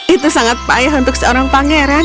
itu sangat payah untuk seorang pangeran